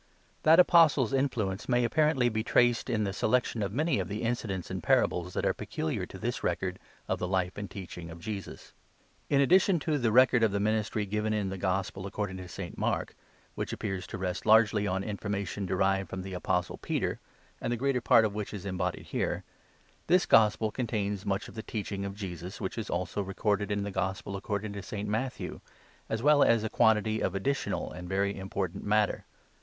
That apostle's influence may apparently be traced in the selection of many of the incidents and parables that are peculiar to this record of the Life and Teaching of Jesus. I In addition to the record of the ministry given in ' The Gospel according to St. Mark 'Awhich appears to rest largely on information derived from the Apostle Peter, and the greater part of which is embodied hereVthis gospel contains much of the teaching of Jesus which is also recorded in ' The Gospel ac cording to St. Matthew,' as well as a quantity of additional and very important matter.